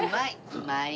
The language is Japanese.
うまい！